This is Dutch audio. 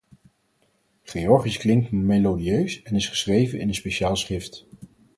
Georgisch klinkt melodieus en is geschreven in een speciaal schrift.